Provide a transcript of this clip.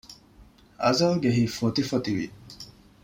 އަޒަލްގެ ހިތް ފޮތިފޮތިވި